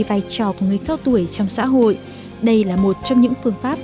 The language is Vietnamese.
vai trò của người cao tuổi trong xã hội đây là một trong những phương pháp